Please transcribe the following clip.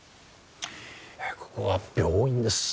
ここは病院です。